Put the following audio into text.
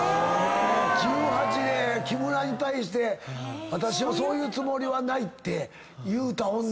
１８で木村に「そういうつもりはない」って言うた女。